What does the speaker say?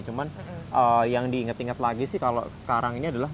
cuma yang diinget inget lagi sih kalau sekarang ini adalah